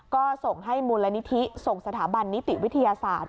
ก็ส่งให้มูลนิธิส่งสถาบันนิติวิทยาศาสตร์